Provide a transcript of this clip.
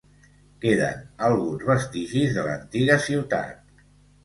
Queden alguns vestigis de l'antiga ciutat.